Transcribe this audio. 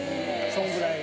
それぐらい。